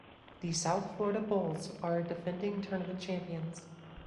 The South Florida Bulls are the defending tournament champions.